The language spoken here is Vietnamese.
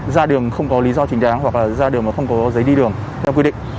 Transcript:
ra đường không có lý do chính đáng hoặc là ra đường mà không có giấy đi đường theo quy định